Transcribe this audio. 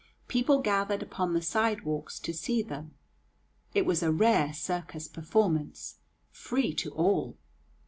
People gathered upon the sidewalks to see them. It was a rare circus performance, free to all.